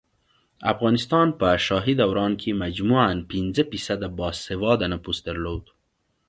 افغانستان په شاهي دوران کې مجموعاً پنځه فیصده باسواده نفوس درلود